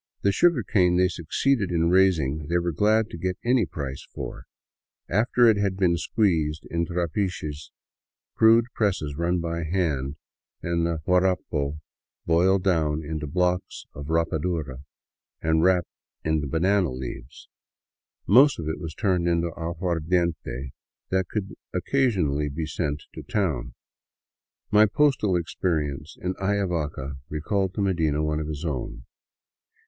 The sugarcane they succeeded in raising they were glad to get any price for, after it had been squeezed in trapiches, crude presses run by hand, and the guarapo boiled down into blocks of rapadura and wrapped in banana leaves. Most of it was turned into aguardiente that could occasionally be sent to town. My postal experience in Ayavaca recalled to Medina one of his own.